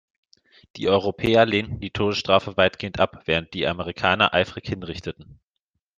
Die Europäer lehnten die Todesstrafe weitgehend ab, während die Amerikaner eifrig hinrichteten.